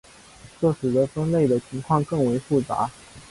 这使得分类的情况更为复杂。